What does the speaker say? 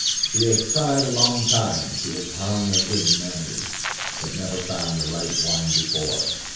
She has tried a long time, she has hung a good many, but never found the right one before.